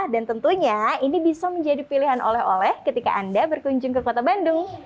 dan tentunya ini bisa menjadi pilihan oleh oleh ketika anda berkunjung ke kota bandung